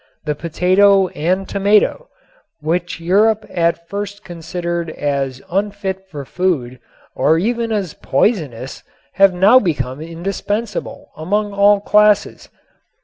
The potato and tomato, which Europe at first considered as unfit for food or even as poisonous, have now become indispensable among all classes.